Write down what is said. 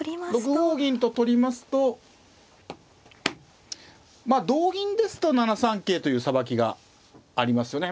６五銀と取りますとまあ同銀ですと７三桂というさばきがありますよね。